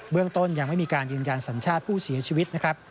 เรื่องต้นยังไม่มีการยืนยันสัญชาติผู้เสียชีวิตนะครับ